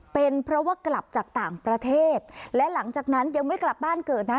เป็นเพราะว่ากลับจากต่างประเทศและหลังจากนั้นยังไม่กลับบ้านเกิดนะ